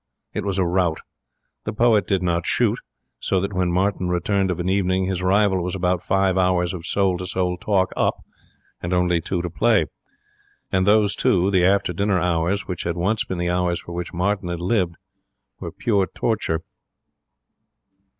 It was a rout. The poet did not shoot, so that when Martin returned of an evening his rival was about five hours of soul to soul talk up and only two to play. And those two, the after dinner hours, which had once been the hours for which Martin had lived, were pure torture.